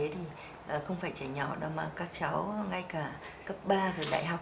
thì không phải trẻ nhỏ đâu mà các cháu ngay cả cấp ba rồi đại học